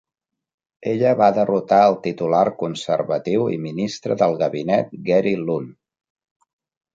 Ella va derrotar el titular Conservatiu i ministre del gabinet Gary Lunn.